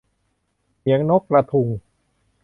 เหนียงนกกระทุง